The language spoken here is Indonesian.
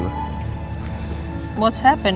apa yang terjadi